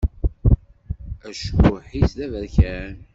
Acekkuḥ-is d aberkan.